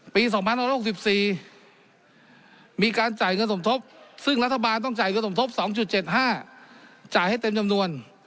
๒๑๖๔มีการจ่ายเงินสมทบซึ่งรัฐบาลต้องจ่ายเงินสมทบ๒๗๕จ่ายให้เต็มจำนวน